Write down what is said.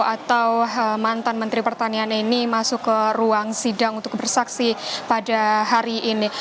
atau mantan menteri pertanian ini masuk ke ruang sidang untuk bersaksi pada hari ini